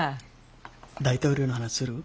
大統領の話する？